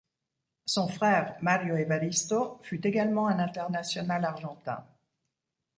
Son frère, Mario Evaristo, fut également un international argentin.